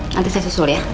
nanti saya susul ya